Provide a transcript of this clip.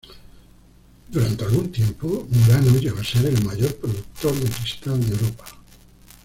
Durante algún tiempo, Murano llegó a ser el mayor productor de cristal de Europa.